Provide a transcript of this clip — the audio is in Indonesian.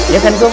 ya kan kum